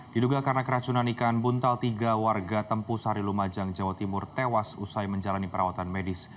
diduga karena keracunan ikan buntal tiga warga tempusari lumajang jawa timur tewas usai menjalani perawatan medis